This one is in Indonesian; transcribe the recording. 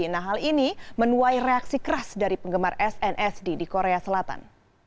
nah hal ini menuai reaksi keras dari penggemar snsd di korea selatan